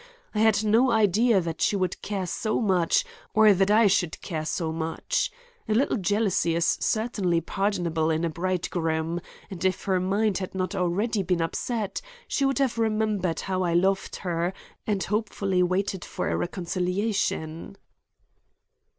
I had no idea that she would care so much or that I should care so much. A little jealousy is certainly pardonable in a bridegroom, and if her mind had not already been upset, she would have remembered how I loved her and hopefully waited for a reconciliation."